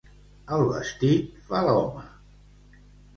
El vestit fa l'home.